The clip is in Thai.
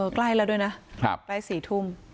ใกล้แล้วด้วยนะไปสี่ทุ่ม